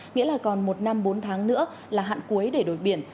nghĩa là còn một năm bốn tháng nữa là hạn cuối để đổi biển